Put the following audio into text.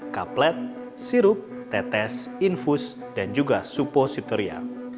kaplet sirup tetes infus dan juga supositoria